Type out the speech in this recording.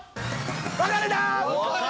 分かれた！